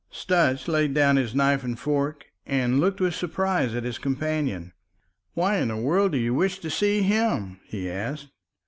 Sutch laid down his knife and fork and looked with surprise at his companion. "Why in the world do you wish to see him?" he asked.